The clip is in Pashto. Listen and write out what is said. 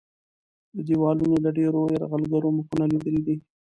دا دیوالونه د ډېرو یرغلګرو مخونه لیدلي دي.